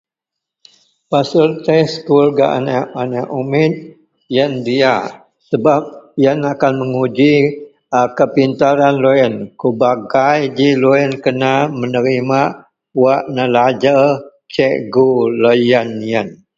pasel test sekul gak aneak-aneak umik ien diak, sebab ien akan menguji a kepintaran loyien, kuba gai ji loyien kena menerima wak nelajer cikgu lau ien-yen